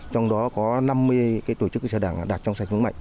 trong đó có năm mươi tổ chức cơ sở đảng đạt trong sạch vững mạnh